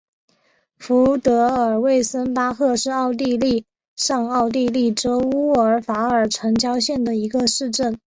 福德尔魏森巴赫是奥地利上奥地利州乌尔法尔城郊县的一个市镇。